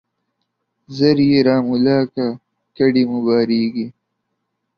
ژر يې را ملا که ، کډي مو بارېږي.